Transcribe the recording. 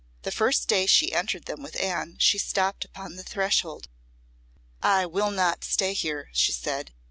The first day she entered them with Anne she stopped upon the threshold. "I will not stay here," she said.